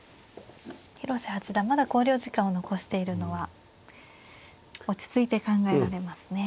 広瀬八段まだ考慮時間を残しているのは落ち着いて考えられますね。